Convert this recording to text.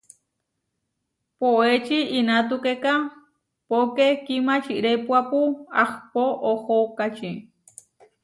Poéči inatúkeka, póke kimači répuapu ahpó ohókači.